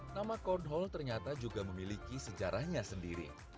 nama cornhole ternyata juga memiliki sejarahnya sendiri